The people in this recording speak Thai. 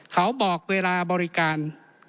เขาบอกเวลาบริการ